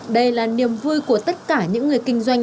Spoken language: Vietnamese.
đây là niềm vui của tất cả những người kinh doanh